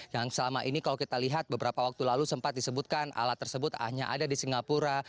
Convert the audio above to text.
yang selama ini kalau kita lihat beberapa waktu lalu sempat disebutkan alat tersebut hanya ada di singapura